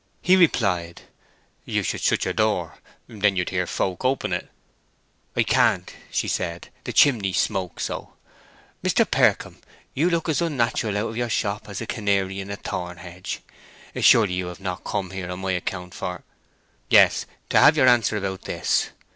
He replied, "You should shut your door—then you'd hear folk open it." "I can't," she said; "the chimney smokes so. Mr. Percombe, you look as unnatural out of your shop as a canary in a thorn hedge. Surely you have not come out here on my account—for—" "Yes—to have your answer about this."